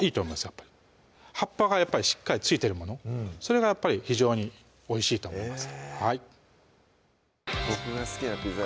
やっぱり葉っぱがしっかりついてるものそれが非常においしいと思います